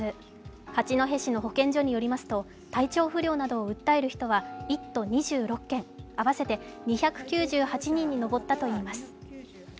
八戸市の保健所によりますと体調不良などを訴える人は１都２６県、合わせて２９８人に上ったといいます。